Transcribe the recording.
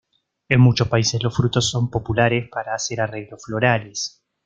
En muchos países los frutos son populares para hacer arreglos florales.